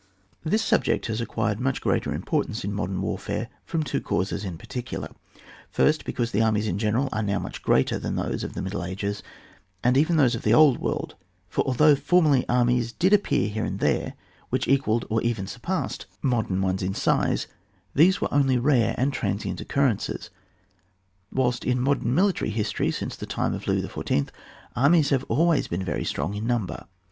This subject has acquired much greater importance in modem warfare from two causes in particular. First, because the armies in general are now much greater than those of the middle ages, and even those of the old world; for, although fomerly armies did appear here and there which equalled or even surpassed modem 44 ON WAIL [book t. ones in size, still these were only rare and transient occurrences, whilst in mo dem military history, since the time of Louis XIY., armies have always been very strong in number.